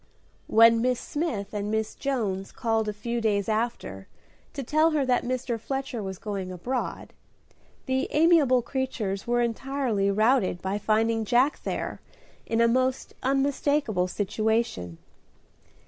When Miss Smith and Miss Jones called a few days after to tell her that Mr. Fletcher was going abroad, the amiable creatures were entirely routed by finding Jack there in a most unmistakable situation.